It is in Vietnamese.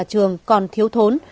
trường còn thiếu thốn